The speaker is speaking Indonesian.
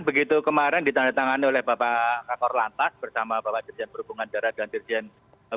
begitu kemarin ditandatangani oleh bapak kakor lantas bersama bapak dirjen perhubungan darat dan dirjen